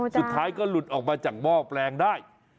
สุดท้ายก็หลุดออกมาจากหม้อแปลงได้